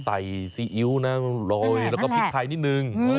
ใส่ซีอิ๊วน้ำลอยแล้วก็พริกไทยนิดนึง